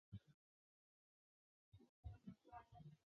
萨卡文。